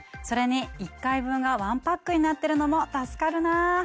それに１回分が１パックになってるのも助かるな。